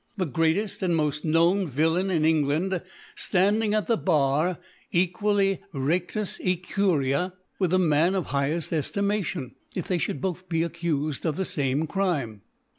The greateft and moft known Villain in England^ Handing at the Bar equally r&Bus in curia with the Man of the higheft Eftimation, if they (hould be 4x)th accufed of che fame Crkne.